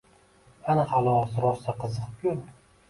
— Ana xolos! Rosa qiziq-ku!